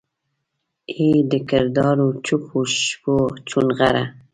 ای دکرارو چوپو شپو چونغره!